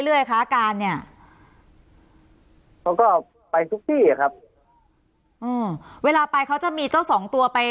เรื่อยคะการเนี้ยเขาก็ไปทุกที่อ่ะครับอืมเวลาไปเขาจะมีเจ้าสองตัวไป